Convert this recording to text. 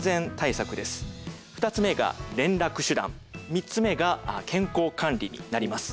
３つ目が健康管理になります。